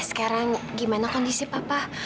sekarang gimana kondisi papa